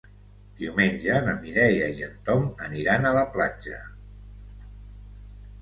Diumenge na Mireia i en Tom aniran a la platja.